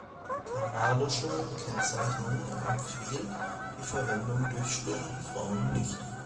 Die kanadische Kennzeichnung empfiehlt die Verwendung durch stillende Frauen nicht.